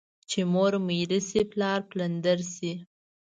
چي مور ميره سي ، پلار پلندر سي.